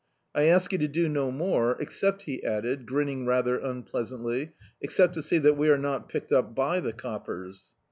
I ask you to do no more; except," he added, grinning rather unpleas antly, "except to see that we are not picked up by the coppers."